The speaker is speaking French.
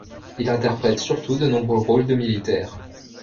Il interprète surtout de nombreux rôles de militaires.